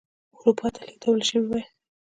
اروپا ته لېږدول شوي وای.